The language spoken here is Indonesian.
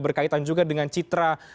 berkaitan juga dengan citra